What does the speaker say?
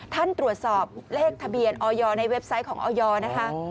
ท่านตรวจสอบเลขทะเบียนออยในเว็บไซต์ของออยนะคะ